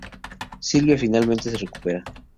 Sylvia finalmente se recupera.